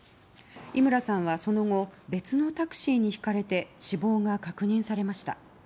伊村さんはその後、別のタクシーにひかれて死亡が確認されました。